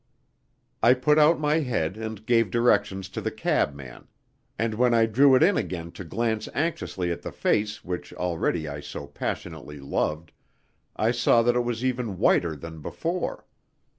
I put out my head and gave directions to the cabman, and when I drew it in again to glance anxiously at the face which already I so passionately loved, I saw that it was even whiter than before.